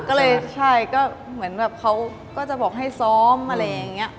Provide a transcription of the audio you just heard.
ก็เลยใช่ก็เหมือนแบบเขาก็จะบอกให้ซ้อมอะไรอย่างนี้